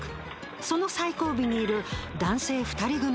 その最後尾にいる男性２人組に注目。